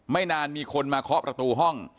นานมีคนมาเคาะประตูห้อง